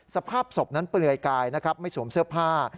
สภาพศพนั้นเปลือยกายนะครับไม่สวมเสื้อผ้า